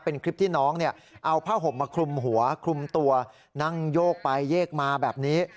เป็นคลิปที่น้องเอาผ้าห่มมาคลุมหัวคลุมตัวนั่งโยกไปโยกมาแบบนี้